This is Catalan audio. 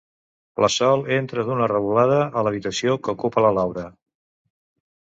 La Sol entra d'una revolada a l'habitació que ocupa la Laura.